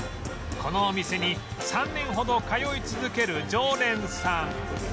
このお店に３年ほど通い続ける常連さん